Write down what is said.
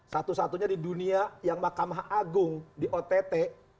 satu satunya di dunia yang mahkamah agung di ott